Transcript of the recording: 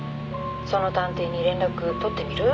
その探偵に連絡取ってみる？」